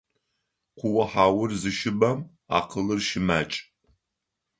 Куохьаур зыщыбэм акъылыр щымакӏ.